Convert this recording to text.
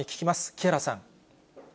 木原さん。